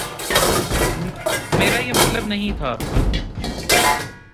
میرا یہ مطلب نہیں تھا۔